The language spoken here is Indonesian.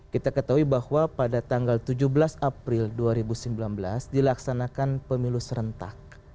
kita ketahui bahwa pada tanggal tujuh belas april dua ribu sembilan belas dilaksanakan pemilu serentak